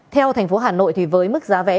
theo thành phố hà nội thì với mức giá vé